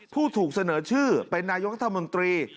ผู้สนิทสั่งชื่อเป็นนายกธบตรี